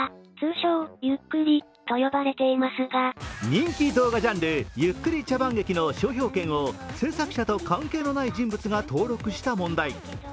人気動画ジャンル・ゆっくり茶番劇の商標権を制作者と関係のない人物が登録した問題。